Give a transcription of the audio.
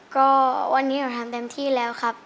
ก็วันนี้หนูทำเต็มที่แล้วครับ